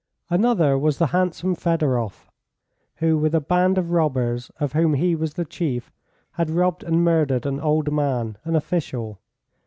Another was the handsome Fedoroff, who, with a band of robbers, of whom he was the chief, had robbed and murdered an old man, an official.